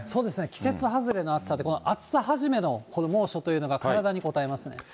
季節外れの暑さで、この暑さ始めのこの猛暑というのが、体にこたえますね。